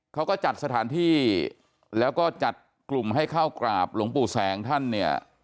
เขาก็จัดสถานที่แล้วก็จัดกลุ่มให้เข้ากราบหลวงปู่แสงท่านเนี่ย